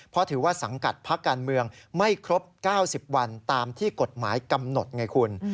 เพราะถือว่าสังกัดพักการเมืองไม่ครบ๙๐วันตามที่กฎหมายกำหนดไงคุณ